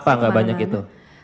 apa enggak banyak itu